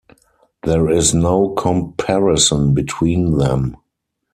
There is no comparison between them.